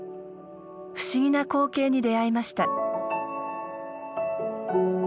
不思議な光景に出会いました。